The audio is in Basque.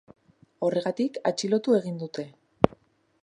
Horregatik, atxilotu egin dute.